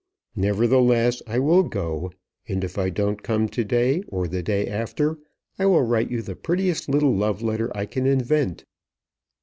Nevertheless I will go, and if I don't come to day, or the day after, I will write you the prettiest little love letter I can invent."